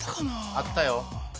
あったよ